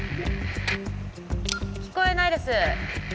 聞こえないです。